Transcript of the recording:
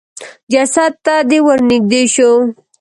جسد د ته ورنېږدې شو.